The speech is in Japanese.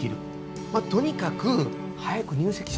まあとにかく早く入籍しましょう。